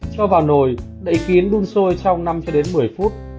cho vào nồi đậy kín đun sôi trong năm một mươi phút